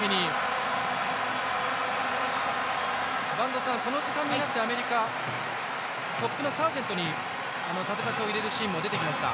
播戸さん、この時間になってアメリカトップのサージェントに縦パスを入れるシーンが出てきました。